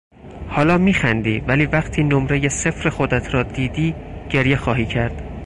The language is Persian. حالا میخندی ولی وقتی نمرهی صفر خودت را دیدی گریه خواهی کرد!